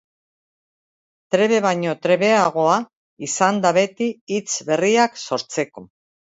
Trebe baino trebeagoa izan da beti hitz berriak sortzeko.